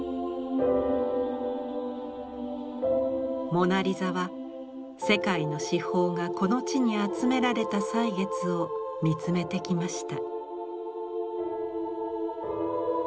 「モナ・リザ」は世界の至宝がこの地に集められた歳月を見つめてきました。